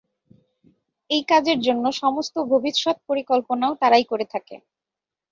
এই কাজের জন্য সমস্ত ভবিষ্যৎ পরিকল্পনাও তারাই করে থাকে।